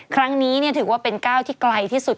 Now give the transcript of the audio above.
ครั้งนี้ถือว่าเป็นก้าวที่ไกลที่สุด